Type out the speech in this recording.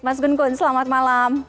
mas gunkun selamat malam